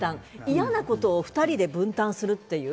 嫌なことを２人で分担するっていう。